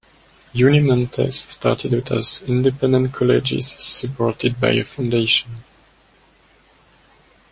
Unimontes started out as independent colleges, supported by a foundation.